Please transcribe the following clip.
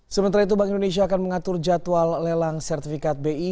sementara itu bank indonesia akan mengatur jadwal lelang sertifikat bi